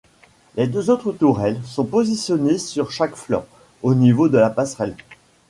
Les deux autres tourelles sont positionnées sur chaque flanc, au niveau de la passerelle.